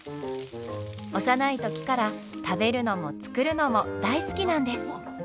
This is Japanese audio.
幼い時から食べるのも作るのも大好きなんです。